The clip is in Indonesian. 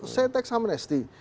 saya teks amnesti